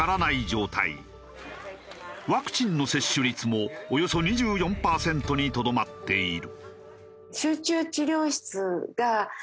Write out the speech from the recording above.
ワクチンの接種率もおよそ２４パーセントにとどまっている。